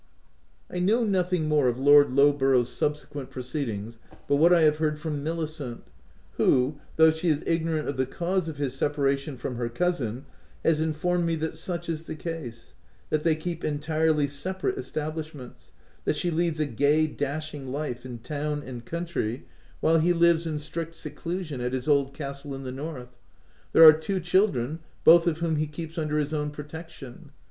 I know nothing more of Lord Lowborougtrs subsequent proceedings but what I have heard from Milicent, who, though she is ignorant of the cause of his separation from her cousin, haa informed me that such is the case ; that they keep entirely separate establishments ; that she leads a gay, dashing life in town and country, OF WILDFELL HALL, ^3 while he lives in strict seclusion at his old castle in the north. There are two children, both of whom he keeps under his own protection.